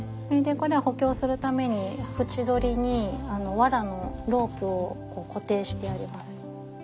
それでこれは補強するために縁取りにわらのロープを固定してあります。